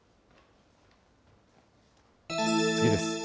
次です。